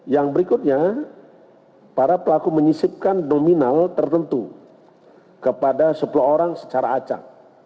yang berikutnya para pelaku menyisipkan nominal tertentu kepada sepuluh orang secara acak